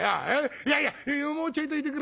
いやいやもうちょいといてくれ。